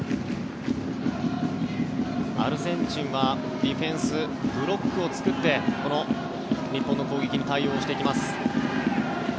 アルゼンチンはディフェンスブロックを作ってこの日本の攻撃に対応していきます。